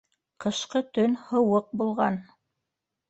Ҡышҡы төн һыуыҡ булған